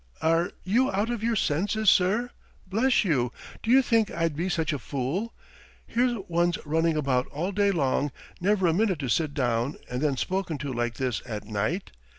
"Are you out of your senses, sir, bless you? Do you think I'd be such a fool? Here one's running about all day long, never a minute to sit down and then spoken to like this at night!